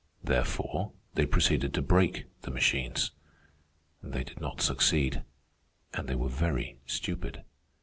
Therefore, they proceeded to break the machines. They did not succeed, and they were very stupid.